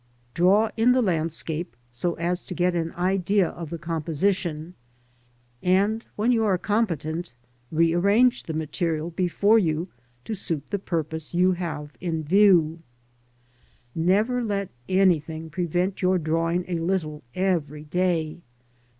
Draw in the landscape, so as to get an idea of the composition, and when you are competent, re arrange the material before you to suit the purpose you have in view. Never let anything prevent your drawing a little every day.